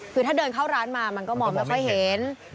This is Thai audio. คือถ้าเดินเข้าร้านมามันก็มองไม่ค่อยเห็น